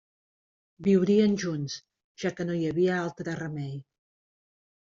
Viurien junts, ja que no hi havia altre remei.